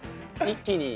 一気に。